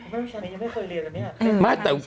ไม่ใช่ยังไม่เคยเรียนแหละเนี่ย